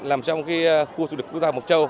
làm trong khu du lịch quốc gia mộc châu